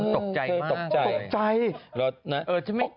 ตุ๊กใจมาก